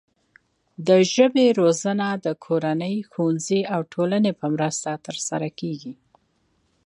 د ژبې روزنه د کورنۍ، ښوونځي او ټولنې په مرسته ترسره کیږي.